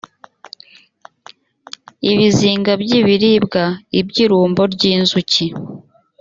ibizinga by ibiribwa iby’ irumbo ry inzuki.